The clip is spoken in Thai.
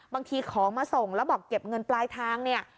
บางทีของมาส่งแล้วบอกเก็บเงินปลายทางเนี่ย